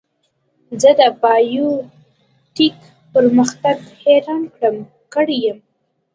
زه د بایو ټیک پرمختګ حیران کړی یم.